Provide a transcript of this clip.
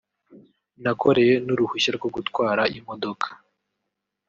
nakoreye n’uruhushya rwo gutwara imodoka